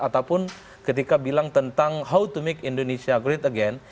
ataupun ketika bilang tentang how to make indonesia great again